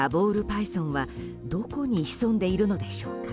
パイソンはどこに潜んでいるのでしょうか。